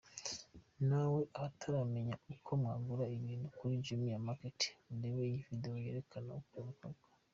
Nawe abataramenya uko mwagura ibintu kuri Jumia Market, Murebe iyi video yerekana uko bikorwa.